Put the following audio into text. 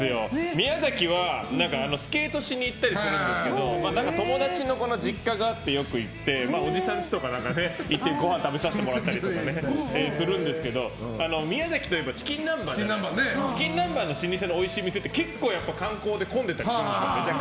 宮崎は、スケートしに行ったりするんですけど友達の実家があって、よく行っておじさん家とかに行ってごはん食べさせてもらうんですが宮崎といえばチキン南蛮なんですけど老舗のおいしい店って結構観光で混んでたりするんです。